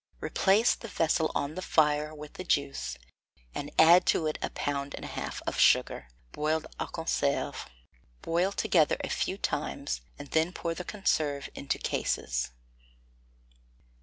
Replace the vessel on the fire with the juice, and add to it a pound and a half of sugar, boiled à conserve. Boil together a few times, and then pour the conserve into cases.